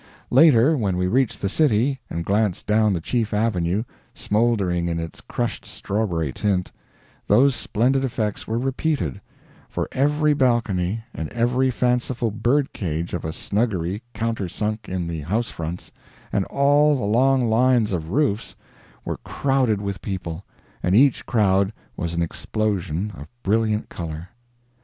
Later, when we reached the city, and glanced down the chief avenue, smouldering in its crushed strawberry tint, those splendid effects were repeated; for every balcony, and every fanciful bird cage of a snuggery countersunk in the house fronts, and all the long lines of roofs were crowded with people, and each crowd was an explosion of brilliant color.